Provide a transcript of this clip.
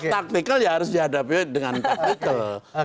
taktikal ya harus dihadapi dengan taktikal